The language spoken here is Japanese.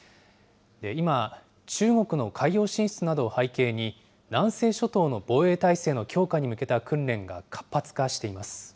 今、中国の海洋進出などを背景に、南西諸島の防衛態勢の強化に向けた訓練が活発化しています。